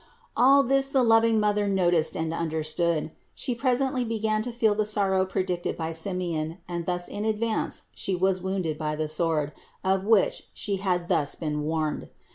All this the loving Mother noticed and understood; She presently began to feel the sorrow predicted by Simeon and thus in ad vance was She wounded by the sword, of which She had thus been warned.